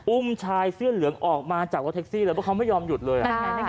ชายเสื้อเหลืองออกมาจากรถแท็กซี่เลยเพราะเขาไม่ยอมหยุดเลย